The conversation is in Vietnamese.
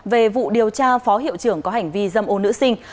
về vụ điều tra phó hiệu trưởng có hành vi dâm ô nữ sinh